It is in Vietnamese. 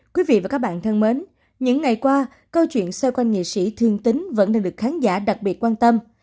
quý vị và các bạn thân mến những ngày qua câu chuyện xoay quanh nghệ sĩ thương tính vẫn đang được khán giả đặc biệt quan tâm